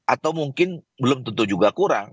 atau mungkin belum tentu juga kurang